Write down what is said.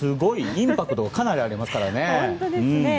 インパクトがかなりありますね。